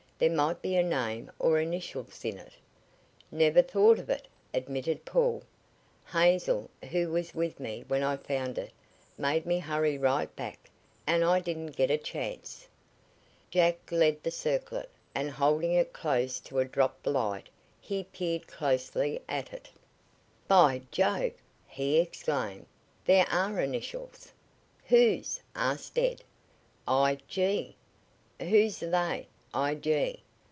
"There might be a name or initials in it." "Never thought of it," admitted Paul. "Hazel, who was with me when I found it, made me hurry right back, and I didn't get a chance." Jack lead the circlet, and holding it close to a drop light, he peered closely at it. "By Jove!" he exclaimed. "There are initials!" "Whose?" asked Ed. "'I.G.' Whose are they? 'I.